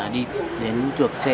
đi đến chuộc xe